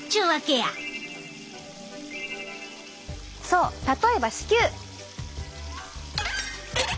そう例えば子宮！